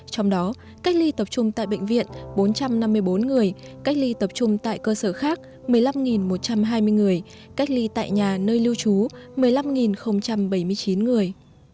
trong đó cách ly tập trung tại bệnh viện bốn trăm năm mươi bốn người cách ly tập trung tại cơ sở khác một mươi năm một trăm hai mươi người cách ly tại nhà nơi lưu trú một mươi năm bảy mươi chín người